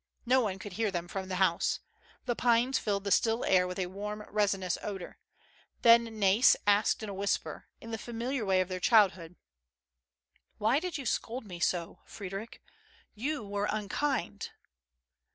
No one could hear them from the house. The pines filled the still air with a warm resinous odor. Then Nais asked in a whisper, in the familiar way of their childhood : "Why did you scold me so, Frederic? You were unkind."